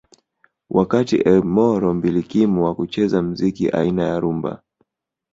Wakati Emoro mbilikimo wa kucheza mziki aina ya rhumba